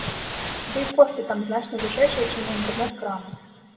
Ды і кошты там значна вышэйшыя, чым у інтэрнэт-крамах.